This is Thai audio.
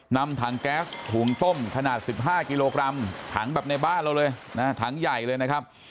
นำถังแก๊สถุงต้มขนาด๑๕กิโลกรัมถังแบบในบ้านเราเลยนะถังใหญ่เลยนะครับ